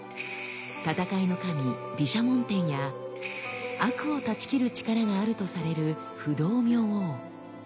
戦いの神「毘沙門天」や悪を断ち切る力があるとされる「不動明王」。